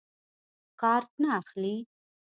کارټ نه اخلي.